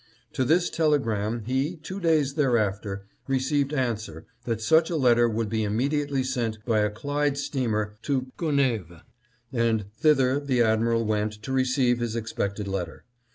To this telegram he, two days thereafter, received answer that such a let ter would be immediately sent by a Clyde steamer to Gona'fves, and thither the admiral went to receive his expected letter.